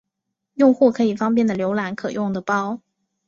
用户可以方便的浏览可用的包。